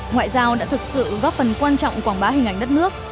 ngoại giao đã thực sự góp phần quan trọng quảng bá hình ảnh đất nước